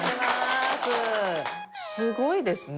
すごいですね。